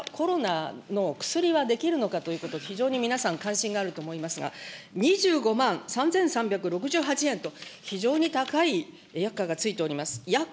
これはコロナの薬はできるのかということを、非常に皆さん、関心があると思いますが、２５万３３６８円と、非常に高い薬価がついております。